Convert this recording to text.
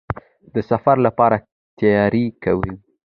د سفر لپاره تیاری کوئ؟